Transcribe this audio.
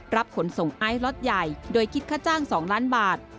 ขนส่งไอซ์ล็อตใหญ่โดยคิดค่าจ้าง๒ล้านบาท